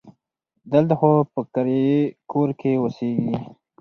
دلته خو په کرایي کور کې اوسیږي.